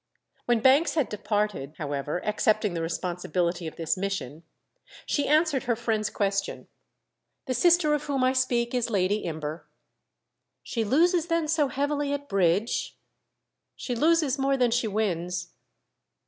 When Banks had departed, however, accepting the responsibility of this mission, she answered her friend's question. "The sister of whom I speak is Lady Imber." "She loses then so heavily at bridge?" "She loses more than she wins."